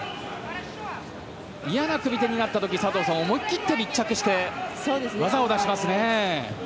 嫌な組み手になったとき佐藤さん、思い切って密着して技を出しますね。